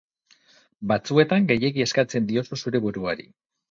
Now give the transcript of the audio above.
Batzuetan gehiegi eskatzen diozu zure buruari.